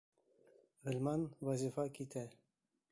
Ғилман, Вазифа китә.